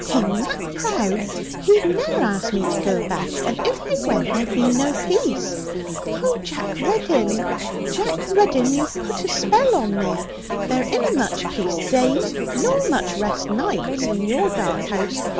'He'm that proud, he'd ne'er ask me to go back. And if I went, there'd be no peace. Oh, Jack Reddin, Jack Reddin! You've put a spell on me! There inna much peace, days, nor much rest, nights, in your dark house.